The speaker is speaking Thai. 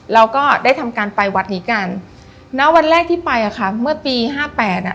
เราก็ได้ทำการไปวัดนี้กันณวันแรกที่ไปอ่ะค่ะเมื่อปีห้าแปดอ่ะ